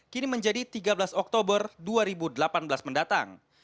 kini menjadi tiga belas oktober dua ribu delapan belas mendatang